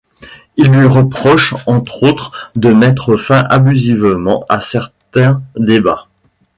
Ils lui reprochent entre autres de mettre fin abusivement à certains débats.